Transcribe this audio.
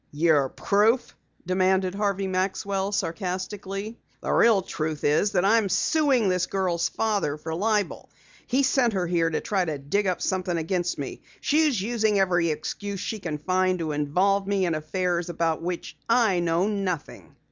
"Your proof?" demanded Harvey Maxwell sarcastically. "The real truth is that I am suing this girl's father for libel. He sent her here to try to dig up something against me. She's using every excuse she can find to involve me in affairs about which I know nothing."